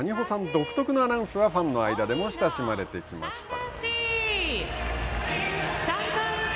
独特のアナウンスはファンの間でも親しまれてきました。